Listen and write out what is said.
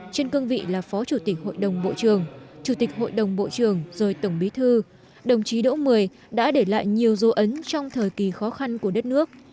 trên cương vị là phó chủ tịch hội đồng bộ trường chủ tịch hội đồng bộ trưởng rồi tổng bí thư đồng chí đỗ mười đã để lại nhiều dấu ấn trong thời kỳ khó khăn của đất nước